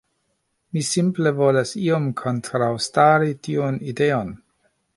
Mi simple volas iom kontraŭstari tiun ideon.